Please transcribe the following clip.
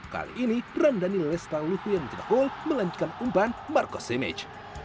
kali ini randani lestaluhu yang mencetak gol melanjutkan umpan marco simic